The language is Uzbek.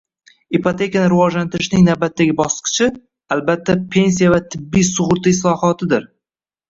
Ipotekani rivojlantirishning navbatdagi bosqichi, albatta, pensiya va tibbiy sug'urta islohotidir